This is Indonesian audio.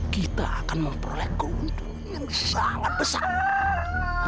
kita akan memperoleh keuntungan yang sangat besar